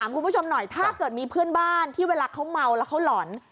คุณผู้ชมหน่อยถ้าเกิดมีเพื่อนบ้านที่เวลาเขาเมาแล้วเขาหล่อน